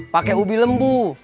pake ubi lembu